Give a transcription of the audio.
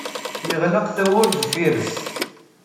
Yeɣleq tawwurt deffir-s.